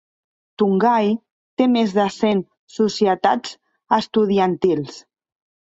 Tunghai té més de cent societats estudiantils.